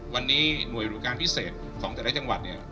วันนี้หน่วยบริการพิเศษของแต่ละจังหวัดเนี่ย